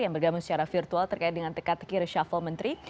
yang bergabung secara virtual terkait dengan teka teki reshuffle menteri